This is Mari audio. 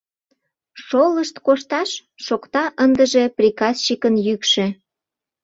Шолышт кошташ! — шокта ындыже приказчикын йӱкшӧ.